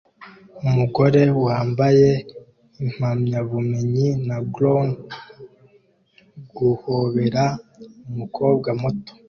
Umugore wambaye impamyabumenyi na gown guhobera umukobwa muto